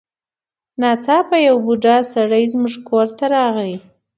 ناڅاپه یو بوډا سړی زموږ کور ته راغی.